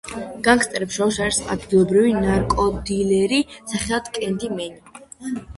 განგსტერებს შორის არის ადგილობრივი ნარკოდილერი, სახელად „კენდი მენი“.